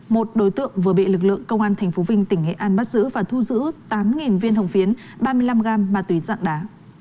một đối tượng vừa bị lực lượng công an tp vinh tỉnh nghệ an bắt giữ và thu giữ tám viên hồng phiến ba mươi năm gam ma túy dạng đá